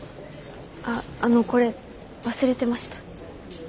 ああのこれ忘れてました。